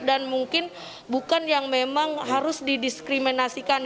dan mungkin bukan yang memang harus didiskriminasikan